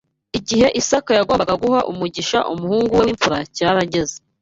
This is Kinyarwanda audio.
Igihe Isaka yagombaga guha umugisha umuhungu we w’imfura cyarageze